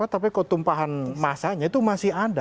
tapi kok tumpahan masanya itu masih ada